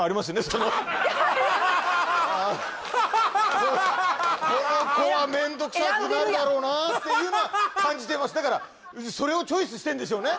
この子は面倒くさくなるだろうなっていうのは感じてますだからそれをチョイスしてんでしょうね